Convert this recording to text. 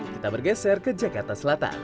kita bergeser ke jakarta selatan